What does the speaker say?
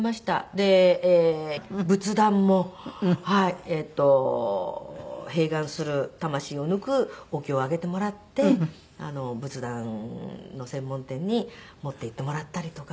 で仏壇も閉眼する魂を抜くお経を上げてもらって仏壇の専門店に持っていってもらったりとか。